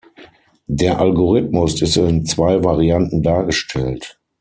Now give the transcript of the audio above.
Der Algorithmus ist in zwei Varianten dargestellt.